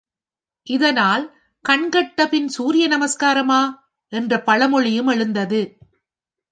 இதனால், கண் கெட்ட பின் சூரிய நமஸ்காரமா? என்ற பழமொழியும் எழுந்தது.